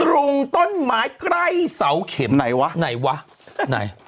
ตรงต้นไม้ใกล้เสาเข็มไหนวะไหนวะไหน